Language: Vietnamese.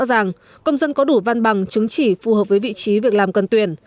rõ ràng công dân có đủ văn bằng chứng chỉ phù hợp với vị trí việc làm cần tuyển